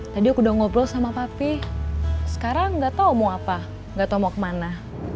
tadi aku udah ngobrol sama papi sekarang gak tau mau apa nggak tahu mau kemana